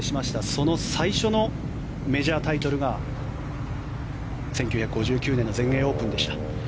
その最初のメジャータイトルが１９５９年の全英オープンでした。